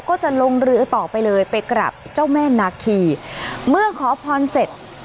ก็จะลงเรือต่อไปเลยไปกลับเจ้าแม่นาคีเมื่อขอพรเสร็จ